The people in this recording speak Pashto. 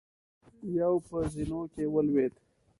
يو په زينو کې ولوېد.